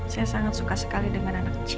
saya sangat suka sekali dengan anak